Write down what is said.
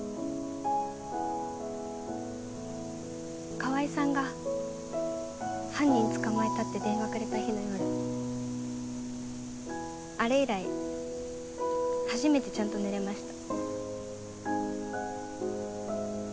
川合さんが犯人捕まえたって電話くれた日の夜あれ以来初めてちゃんと寝れました。